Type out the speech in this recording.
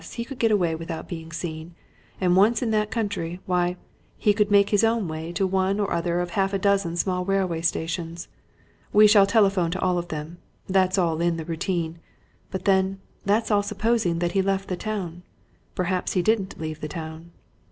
he could get away without being seen, and once in that country, why, he could make his way to one or other of half a dozen small railway stations. We shall telephone to all of them. That's all in the routine. But then, that's all supposing that he left the town. Perhaps he didn't leave the town."